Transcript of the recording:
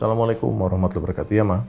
assalamualaikum warahmatullahi wabarakatuh ya ma